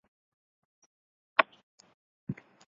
盛宣怀命令各地加以镇压。